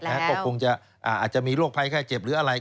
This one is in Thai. อาจจะมีโรคพัฒน์ไข้เจ็บหรืออะไร